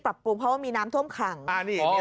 คุณผู้ชมถามมาในไลฟ์ว่าเขาขอฟังเหตุผลที่ไม่ให้จัดอีกที